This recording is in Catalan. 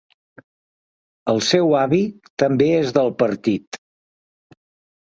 El seu avi també és del partit.